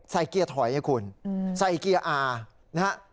เกียร์ถอยให้คุณใส่เกียร์อานะฮะ